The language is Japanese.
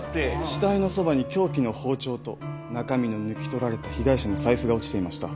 死体のそばに凶器の包丁と中身の抜き取られた被害者の財布が落ちていました。